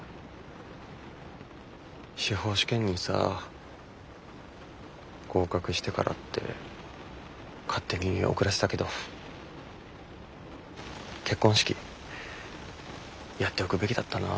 司法試験にさぁ合格してからって勝手に遅らせたけど「結婚式」やっておくべきだったなぁ。